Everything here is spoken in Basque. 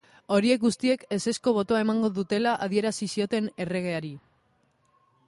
Horiek guztiek ezezko botoa emango dutela adierazi zioten erregeari.